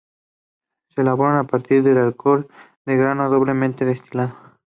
Se elabora a partir de alcohol de grano doblemente destilado.